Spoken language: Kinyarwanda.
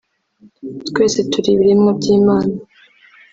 twese turi ibiremwa by’Imana